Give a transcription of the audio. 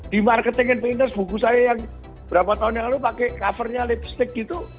di marketing entrenders buku saya yang berapa tahun yang lalu pakai covernya lipstick gitu